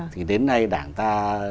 thì đến nay đảng ta